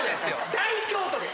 大京都です